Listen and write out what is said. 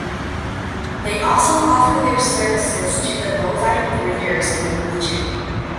They also offer their services to the bovine breeders in the region.